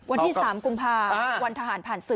วันที่๓กุมภาวันทหารผ่านศึก